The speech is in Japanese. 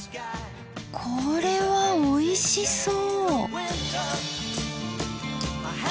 これはおいしそう。